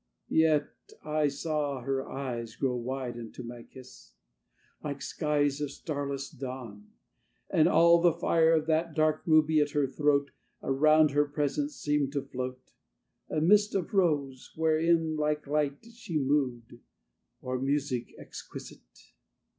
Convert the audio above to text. Yet I saw her eyes Grow wide unto my kiss, like skies Of starless dawn. And all the fire Of that dark ruby at her throat Around her presence seemed to float, A mist of rose, wherein like light She moved, or music exquisite.